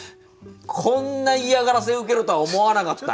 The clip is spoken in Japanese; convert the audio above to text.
こんな嫌がらせを受けるとは思わなかったよ。